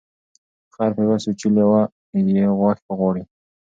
خر په پوه سوچی لېوه یې غوښي غواړي